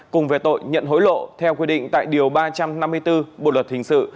cùng về tội nhận hối lộ theo quy định tại điều ba trăm năm mươi bốn bộ luật hình sự